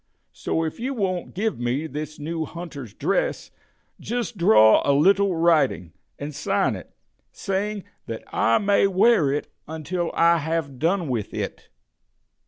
So if you won't give me this new hunter's dress, just draw a little writing, and sign it, saying that I may wear it until I have done with it."